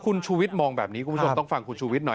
คุณชูวิชวิสต้องฟังคุณชูวิสเลย